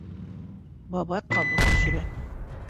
Бабай ҡабыҡ төшөрә.